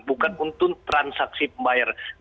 bukan untuk transaksi pembayaran